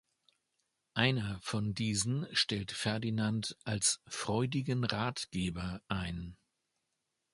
Einer von diesen stellt Ferdinand als „freudigen Ratgeber“ ein.